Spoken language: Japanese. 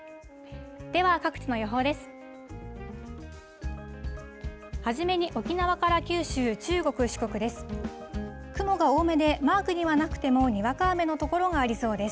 では各地の予報です。